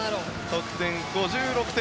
得点５６点。